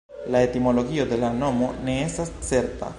La etimologio de la nomo ne estas certa.